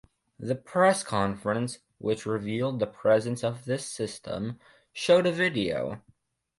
The press conference, which revealed the presence of this system, showed a video.